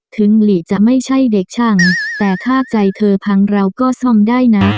หลีจะไม่ใช่เด็กช่างแต่ถ้าใจเธอพังเราก็ซ่อมได้นะ